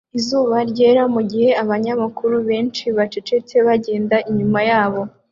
'izuba ryera mugihe abanyamaguru benshi bacecetse bagenda inyuma yabo